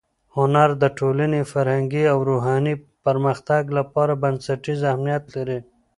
هنر د ټولنې فرهنګي او روحاني پرمختګ لپاره بنسټیز اهمیت لري.